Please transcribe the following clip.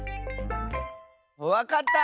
わかった！